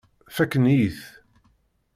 Fakken-iyi-t.